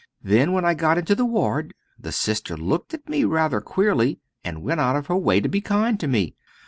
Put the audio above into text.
Then when I got into the ward the Sister looked at me rather queerly and went out of her way to be kind to me.